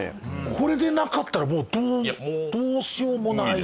これでなかったらもうどうどうしようもないですよ